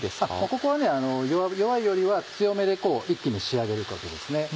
ここは弱いよりは強めで一気に仕上げることですね。